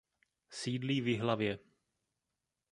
Sídlí v Jihlavě.